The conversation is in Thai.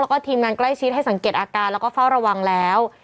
แล้วก็ทีมงานใกล้ชิดให้สังเกตอาการแล้วก็เฝ้าระวังแล้ว